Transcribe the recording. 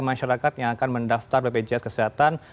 masyarakat yang akan mendaftar bpjs kesehatan